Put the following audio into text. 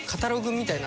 みたいな。